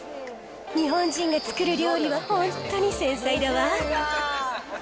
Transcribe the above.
日本人が作る料理は、本当に繊細だわ。